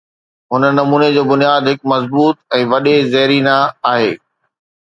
هن نموني جو بنياد هڪ مضبوط ۽ وڏي زيربنا آهي.